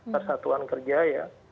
persatuan kerja ya